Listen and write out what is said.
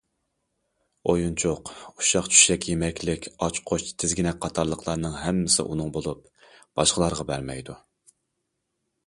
ئويۇنچۇق، ئۇششاق- چۈششەك يېمەكلىك، ئاچقۇچ، تىزگىنەك قاتارلىقلارنىڭ ھەممىسى ئۇنىڭ بولۇپ، باشقىلارغا بەرمەيدۇ.